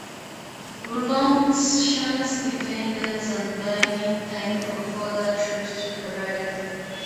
Wulongshan's defenders and buying time for further troops to arrive.